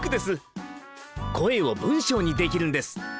声を文章にできるんです。